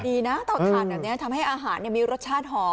ดีนะเตาถ่านแบบนี้ทำให้อาหารมีรสชาติหอม